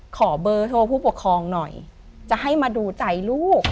ขอเบอร์โทรผู้ปกครองหน่อยจะให้มาดูใจลูก